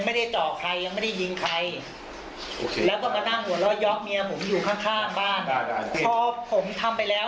ไม่หนีครับผมไม่คิดหนีอยู่แล้วผมตั้งใจอยู่แล้ว